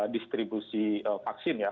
kontribusi vaksin ya